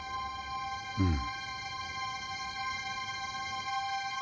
うん。